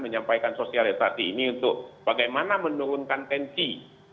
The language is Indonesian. menyampaikan sosialisasi ini untuk bagaimana menurunkan tensi